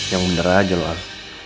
yang bener aja loh al